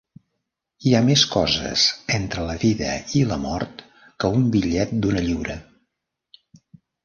Hi ha més coses entre la vida i la mort que un bitllet d'una lliura.